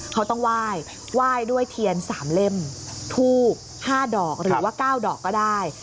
เขาต้องไหว้ไหว้ด้วยเทียน๓เล่มทูบ๕ดอกหรือว่า๙ดอกก็ได้